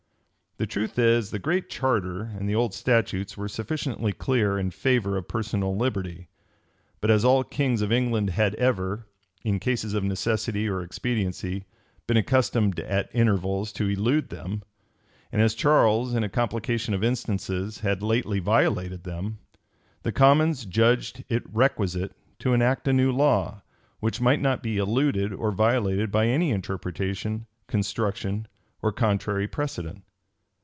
[] The truth is, the Great Charter and the old statutes were sufficiently clear in favor of personal liberty: but as all kings of England had ever, in cases of necessity or expediency, been accustomed at intervals to elude them; and as Charles, in a complication of instances, had lately violated them; the commons judged it requisite to enact a new law, which might not be eluded or violated by any interpretation, construction, or contrary precedent.